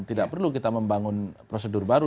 tidak perlu kita membangun prosedur baru